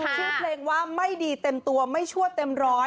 ชื่อเพลงว่าไม่ดีเต็มตัวไม่ชั่วเต็มร้อย